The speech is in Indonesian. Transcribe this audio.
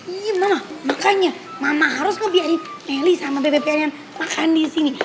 iya mama makanya mama harus ngebiarkan nelly sama beb beb yang makan di sini